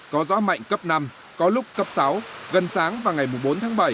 có gió mạnh cấp năm có lúc cấp sáu gần sáng và ngày bốn tháng bảy